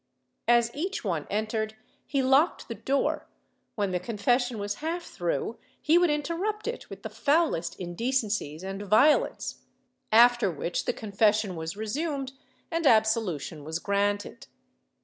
As each one entered he locked the door; when the confession was half through he would interrupt it with the foulest indecencies and violence, after which the confession was resumed and absolution was granted.